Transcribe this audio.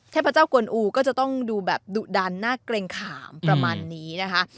เทพเจ้ากวนอูก็จะต้องดูแบบดุดันน่าเกร็งขามประมาณนี้นะคะ